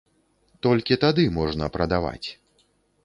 Толькі тады можна прадаваць.